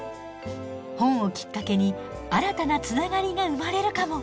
本をきっかけに新たなつながりが生まれるかも！